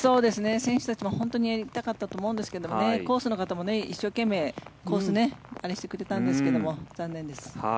選手たちも本当にやりたかったと思うんですがコースの方も一生懸命コースをあれしてくれたんですが残念です。